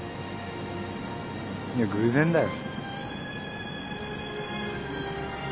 いや偶然だよ。